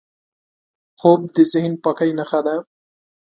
خوب د ذهن پاکۍ نښه ده